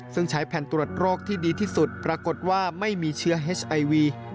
ซึ่งใช้แผ่นตรวจโรคที่ดีที่สุดปรากฏว่าไม่มีเชื้อเฮสไอวี